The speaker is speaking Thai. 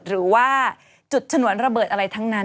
หรือว่าจุดฉนวนระเบิดอะไรทั้งนั้น